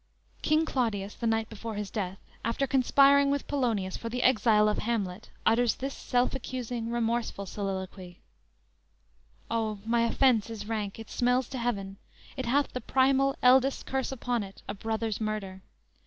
"_ King Claudius the night before his death, after conspiring with Polonius for the exile of Hamlet utters this self accusing, remorseful soliloquy: _"O, my offense is rank, it smells to heaven; It hath the primal, eldest curse upon it A brother's murder.